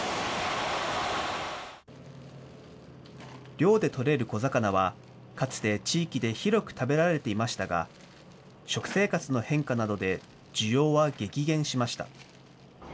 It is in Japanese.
漁で取れる小魚は、かつて地域で広く食べられていましたが、食生活の変化などで、需要は激減しました。